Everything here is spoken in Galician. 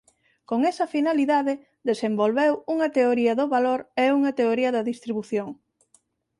Con esa finalidade desenvolveu unha teoría do valor e unha teoría da distribución.